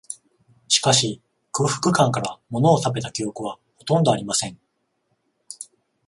しかし、空腹感から、ものを食べた記憶は、ほとんどありません